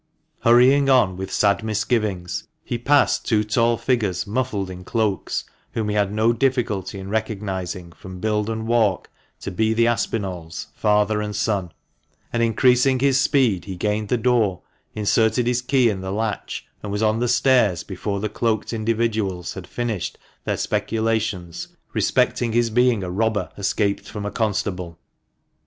Hurrying on with sad misgivings, he passed two tall figures muffled in cloaks, whom he had no difficulty in recognising, from build and walk, to be the Aspinalls, father and son ; and increasing 374 TtiB MANCHESTER MAN. his speed he gained the door, inserted his key in the latch, and was on the stairs before the cloaked individuals had finished their speculations respecting his being a robber escaped from a constable.